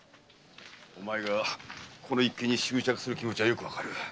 お前がこの一件に執着する気持ちはよくわかる。